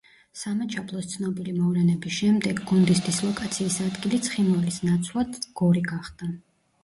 სამაჩაბლოს ცნობილი მოვლენების შემდეგ, გუნდის დისლოკაციის ადგილი ცხინვალის ნაცვლად, გორი გახდა.